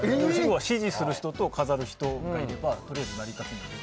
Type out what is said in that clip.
指示する人と飾る人がいればとりあえず成り立つので。